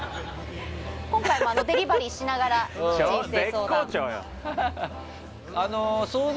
今回もデリバリーしながら人生相談。